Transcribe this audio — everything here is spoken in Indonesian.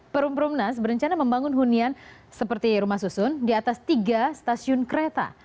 perum perumnas berencana membangun hunian seperti rumah susun di atas tiga stasiun kereta